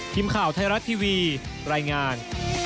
ทีมข่าวไทยรัฐทีวีรายงาน